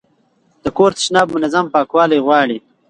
د کور تشناب منظم پاکوالی غواړي.